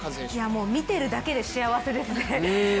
もう見ているだけで幸せですね。